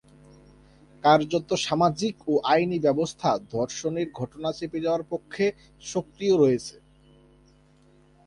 কার্যতঃ সামাজিক ও আইনী ব্যবস্থা ধর্ষণের ঘটনা চেপে যাওয়ার পক্ষে সক্রিয় রয়েছে।